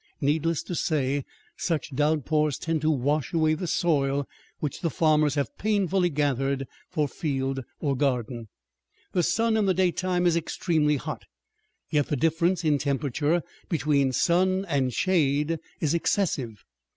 Needless to say, such downpours tend to wash away the soil which the farmers have painfully gathered for field or garden. The sun in the daytime is extremely hot, yet the difference in temperature between sun and shade is excessive.